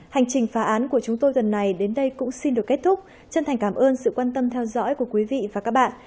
hành trình phá án của chúng tôi tuần này đến đây cũng xin được kết thúc chân thành cảm ơn sự quan tâm theo dõi của quý vị và các bạn